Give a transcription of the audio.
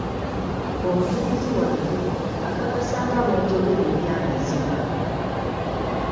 Omujulizi wange, akakasa nga bwe njogera eby'amazima.